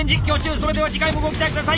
それでは次回もご期待ください。